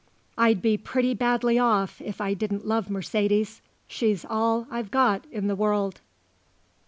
"I'd be pretty badly off if I didn't love Mercedes. She's all I've got in the world."